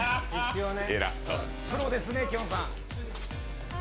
プロですね、きょんさん。